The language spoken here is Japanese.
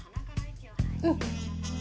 うん。